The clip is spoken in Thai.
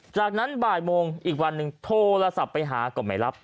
จากนั้นบ่ายโมงอีกวันหนึ่งโทรศัพท์ไปหาก็ไม่รับ